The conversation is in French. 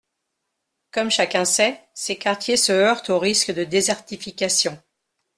Comme chacun sait, ces quartiers se heurtent au risque de désertification.